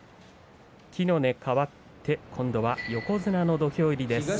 柝きの音かわって今度は横綱の土俵入りです。